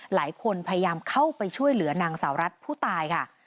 พยายามเข้าไปช่วยเหลือนางสาวรัฐผู้ตายค่ะ